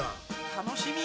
楽しみ！